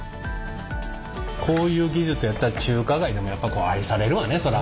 こういう技術やったら中華街でもやっぱ愛されるわねそら。